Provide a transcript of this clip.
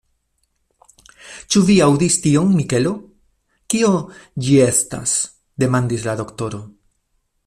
Ĉu vi aŭdis tion, Mikelo? Kio ĝi estas? demandis la doktoro.